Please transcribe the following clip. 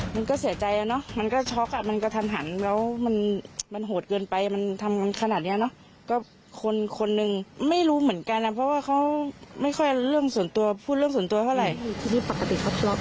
ไม่มีนะไม่มี